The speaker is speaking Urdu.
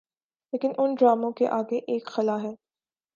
لیکن ان ڈراموں کے آگے ایک خلاہے۔